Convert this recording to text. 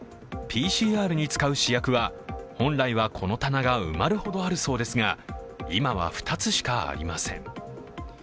ＰＣＲに使う試薬は本来はこの棚が埋まるほどあるそうですが、今は２つしかありません。